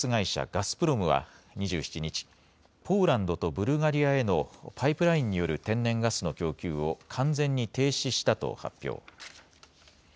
ガスプロムは２７日、ポーランドとブルガリアへのパイプラインによる天然ガスの供給を完全に停止したと発表。